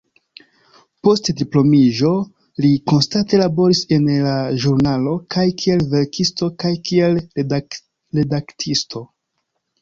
Post diplomiĝo li konstante laboris en la ĵurnalo, kaj kiel verkisto kaj kiel redaktisto.